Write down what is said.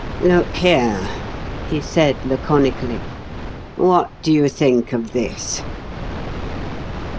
"Look here," he said laconically, "what do you think of this?"